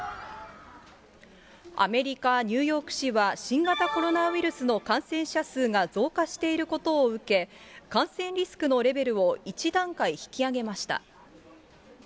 アメリカ・ニューヨーク市は、新型コロナウイルスの感染者数が増加していることを受け、感染リスクのレベルを１段階引き上げました。